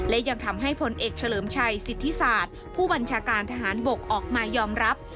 และยังทำให้ผลเอกเฉลิมชัยสิทธิศาสตร์ผู้บัญชาการทหารบกออกมายอมรับ